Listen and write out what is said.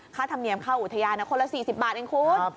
ธรรมเนียมเข้าอุทยานคนละ๔๐บาทเองคุณ